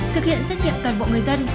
thực hiện xét nghiệm cản bộ người dân